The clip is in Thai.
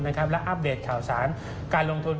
และอัปเดตข่าวสารการลงทุน